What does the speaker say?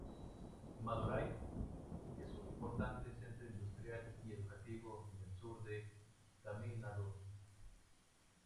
Madurai es un importante centro industrial y educativo del sur de Tamil Nadu.